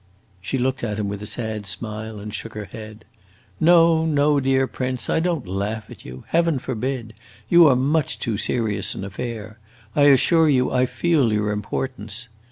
She looked at him with a sad smile and shook her head. "No, no, dear prince, I don't laugh at you. Heaven forbid! You are much too serious an affair. I assure you I feel your importance.